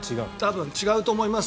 違うと思います。